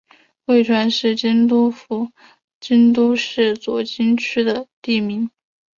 贵船是京都府京都市左京区的地名。